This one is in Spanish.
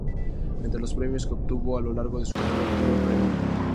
Entre los premios que obtuvo a lo largo de su carrera obtuvo el Premio.